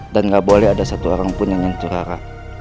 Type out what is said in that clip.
dan gak boleh ada satu orang pun yang nentu rara